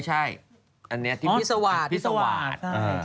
อันนี้พิสาหวาท